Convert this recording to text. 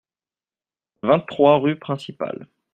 vingt-trois rue Principale